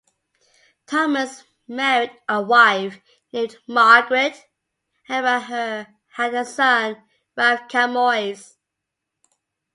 Thomas married a wife named Margaret, and by her had a son, Ralph Camoys.